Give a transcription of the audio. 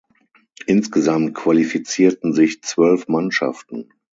Insgesamt qualifizierten sich zwölf Mannschaften.